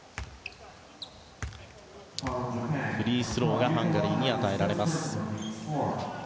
フリースローがハンガリーに与えられます。